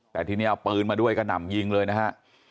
แต่ทีนี้เอาปืนมาด้วยกระหน่ำยิงเลยนะฮะ